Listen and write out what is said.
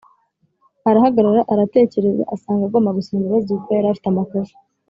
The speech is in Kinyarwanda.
Arahagarara aratekereza, asanga agomba gusaba imbabazi kuko yarafite amakosa